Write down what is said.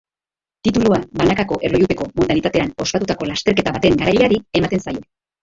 Titulua banakako erlojupeko modalitatean ospatutako lasterketa baten garaileari ematen zaio.